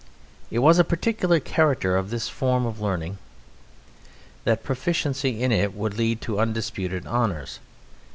It was a particular character of this form of learning that proficiency in it would lead to undisputed honours.